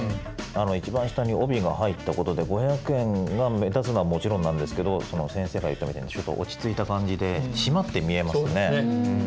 一番下に帯が入ったことで「５００円」が目立つのはもちろんなんですけど先生が言ったみたいにちょっと落ち着いた感じで締まって見えますもんね。